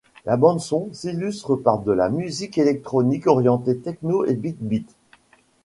La bande son s'illustre par de la musique électronique orienté techno et big beat.